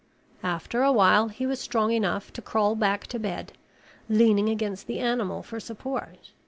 After a while he was strong enough to crawl back to bed, leaning against the animal for support.